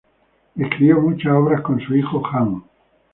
Escribió muchas obras con su hijo Jan.